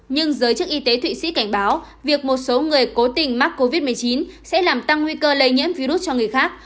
nhưng giới chức y tế thụy sĩ cảnh báo việc một số người cố tình mắc covid một mươi chín sẽ làm tăng nguy cơ lây nhiễm virus cho người khác